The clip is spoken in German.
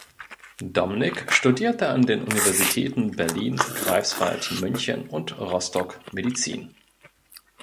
Domnick studierte an den Universitäten Berlin, Greifswald, München und Rostock Medizin.